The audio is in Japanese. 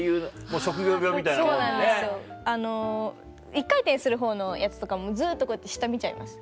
１回転するほうのやつとかもずっとこうやって下見ちゃいます。